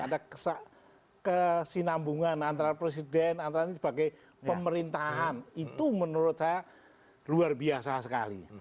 ada kesinambungan antara presiden antara lain sebagai pemerintahan itu menurut saya luar biasa sekali